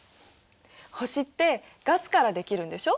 星ってガスからできるんでしょ。